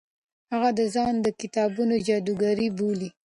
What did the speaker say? هغه ځان د کتابونو جادوګر بولي.